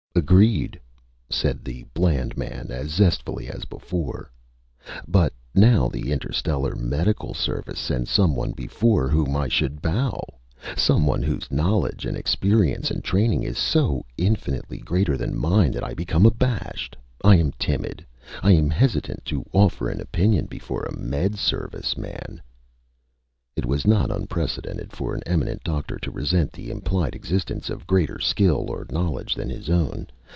"Agreed," said the bland man, as zestfully as before. "But now the Interstellar Medical Service sends someone before whom I should bow! Someone whose knowledge and experience and training is so infinitely greater than mine that I become abashed! I am timid! I am hesitant to offer an opinion before a Med Service man!" It was not unprecedented for an eminent doctor to resent the implied existence of greater skill or knowledge than his own.